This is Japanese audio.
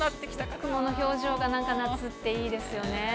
雲の表情がなんか夏っていいですよね。